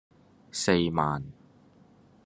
四萬